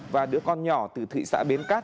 và đứa con nhỏ từ thị xã bến cát